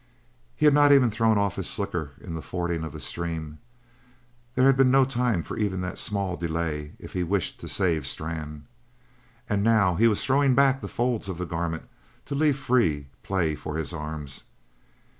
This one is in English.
He had not even thrown off his slicker in the fording of the stream there had been no time for even that small delay if he wished to save Strann. And now he was throwing back the folds of the garment to leave free play for his arms.